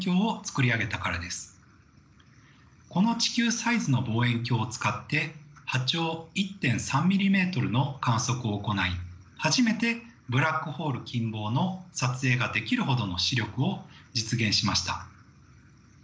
この地球サイズの望遠鏡を使って波長１．３ｍｍの観測を行い初めてブラックホール近傍の撮影ができるほどの視力を実現しました。